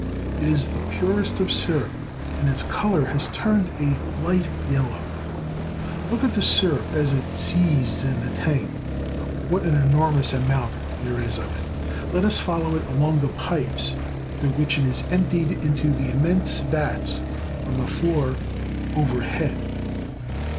It is the purest of sirup, and its color has turned a light yellow. Look at the sirup as it seethes in the tank ! What an enormous amount there is of it! Let us follow it along the pipes through which it is emptied into the immense' A SUGAR PLANTATION. 149 vats on the floor overhead.